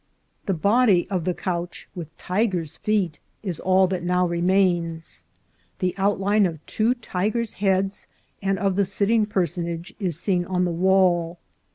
The body of the couch, with tiger's feet, is all that now remains. The outline of two tigers' heads and of the sitting per sonage is seen on the wall.